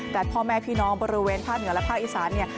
แต่พ่อแม่พี่น้องบริเวณภาคเหนือและภาคอีสานเนี่ย